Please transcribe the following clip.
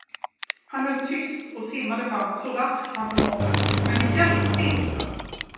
Han höll tyst och simmade framåt så raskt han förmådde, men det hjälpte inte.